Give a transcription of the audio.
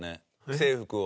制服を。